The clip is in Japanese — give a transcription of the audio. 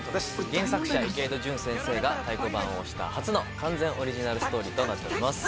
原作者池井戸潤先生が太鼓判を押した初の完全オリジナルストーリーとなっております。